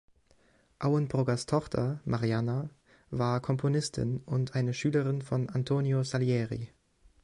Auenbruggers Tochter, Marianna, war Komponistin und eine Schülerin von Antonio Salieri.